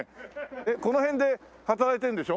えっこの辺で働いてるんでしょ？